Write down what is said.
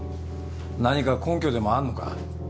何か根拠でもあんのか？